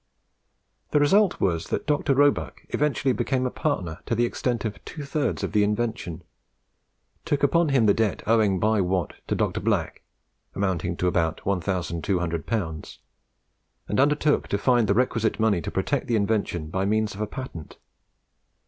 The result was that Dr. Roebuck eventually became a partner to the extent of two thirds of the invention, took upon him the debt owing by Watt to Dr. Black amounting to about 1200L., and undertook to find the requisite money to protect the invention by means of a patent.